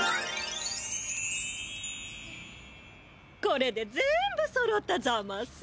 これで全部そろったざます。